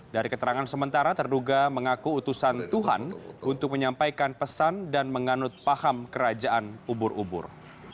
dari keterangan sementara terduga mengaku utusan tuhan untuk menyampaikan pesan dan menganut paham kerajaan ubur ubur